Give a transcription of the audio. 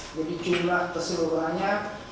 jadi jumlah keseluruhannya